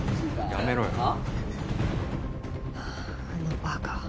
ああのバカ。